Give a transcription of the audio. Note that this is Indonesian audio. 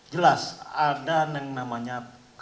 jelas ada yang namanya